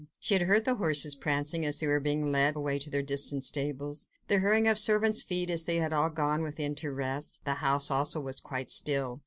She had heard the horses prancing as they were being led away to their distant stables, the hurrying of servants' feet as they had all gone within to rest: the house also was quite still.